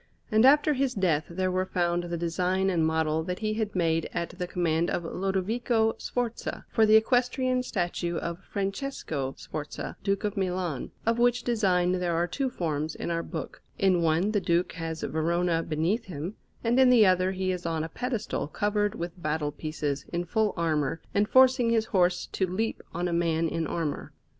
And after his death there were found the design and model that he had made at the command of Lodovico Sforza for the equestrian statue of Francesco Sforza, Duke of Milan, of which design there are two forms in our book; in one the Duke has Verona beneath him, and in the other he is on a pedestal covered with battle pieces, in full armour, and forcing his horse to leap on a man in armour.